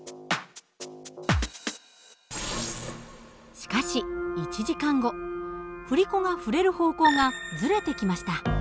しかし１時間後振り子が振れる方向がずれてきました。